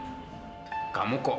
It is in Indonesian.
semua saya romantik